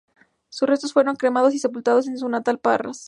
Sus restos fueron cremados y sepultados en su natal Parras.